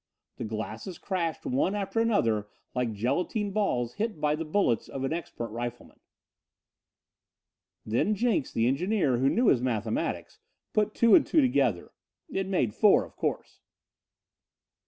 The glasses crashed one after another like gelatine balls hit by the bullets of an expert rifleman. Then Jenks, the engineer who knew his mathematics, put two and two together. It made four, of course.